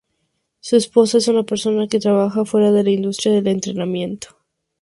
Su esposa es una persona que trabaja fuera de la industria del entretenimiento.